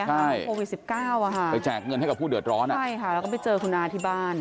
ใช่โควิด๑๙ไปแจกเงินให้กับผู้เดือดร้อนอ่ะใช่ค่ะแล้วก็ไปเจอคุณอาที่บ้าน